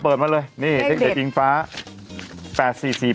เปิดมาเลยเนี่ยเด็กอิโยฟ้าแปดสี่สี่